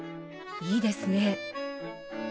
いいですね。